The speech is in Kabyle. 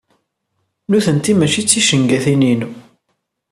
Nutenti mačči d ticengatin-inu.